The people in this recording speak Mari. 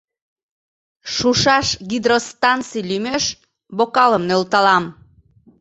Шушаш гидростанций лӱмеш бокалым нӧлталам!